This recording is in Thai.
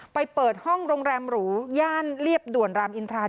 เปิดห้องโรงแรมหรูย่านเรียบด่วนรามอินทรา